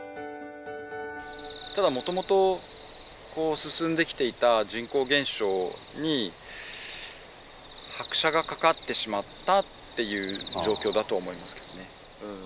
ただもともと進んできていた人口減少に拍車がかかってしまったっていう状況だと思いますけどね。